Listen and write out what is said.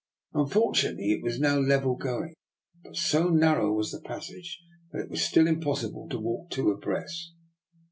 Fortunately, it was now level going, but so narrow was the passage that it was still impossible to walk two abreast.